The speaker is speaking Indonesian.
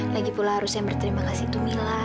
lagi pula harusnya berterima kasih tuh mila